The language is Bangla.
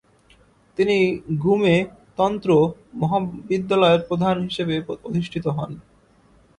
তিনি গ্যুমে তন্ত্র মহাবিদ্যালয়ের প্রধান হিসেবে অধিষ্ঠিত হন।